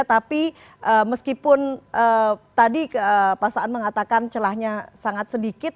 tapi meskipun tadi pasal mengatakan celahnya sangat sedikit